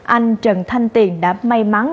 anh trần thanh tiền đã may mắn